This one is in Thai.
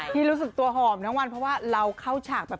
รู้สึกตัวหอมทั้งวันเพราะว่าเราเข้าฉากแบบ